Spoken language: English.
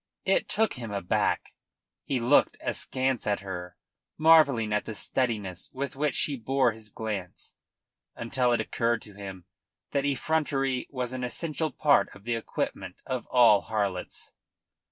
It took him aback. He looked askance at her, marvelling at the steadiness with which she bore his glance, until it occurred to him that effrontery was an essential part of the equipment of all harlots.